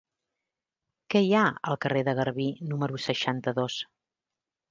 Què hi ha al carrer de Garbí número seixanta-dos?